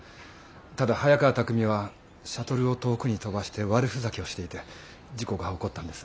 ただ早川拓海はシャトルを遠くに飛ばして悪ふざけをしていて事故が起こったんです。